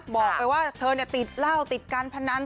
บอกไปว่าเธอติดเหล้าติดการพนัน